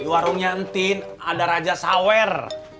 di warungnya entin ada raja sawer